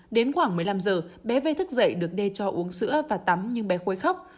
đến khoảng một mươi năm giờ bé về thức dậy được đê cho uống sữa và tắm nhưng bé quấy khóc